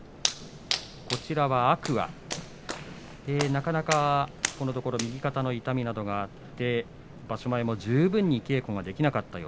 天空海、なかなかこのところ肩の痛みなどがあって場所前も十分に稽古ができませんでした。